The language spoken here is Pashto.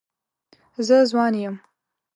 زه ځوان یم.